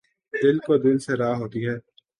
دل کو دل سے راہ ہوتی ہے